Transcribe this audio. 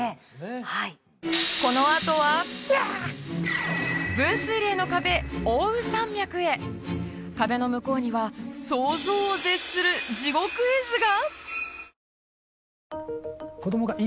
はいこのあとは分水嶺の壁奥羽山脈へ壁の向こうには想像を絶する地獄絵図が！？